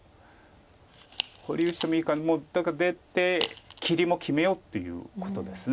保留してもいいからもうとにかく出て切りも決めようっていうことです。